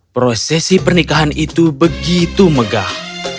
prosesi pernikahan itu begitu megah